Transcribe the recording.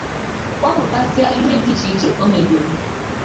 kpọpụtasịa ihe dị iche iche o megoro